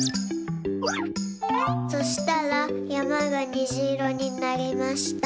そしたらやまがにじいろになりました。